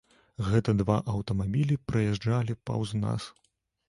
Гэта два аўтамабілі праязджалі паўз нас.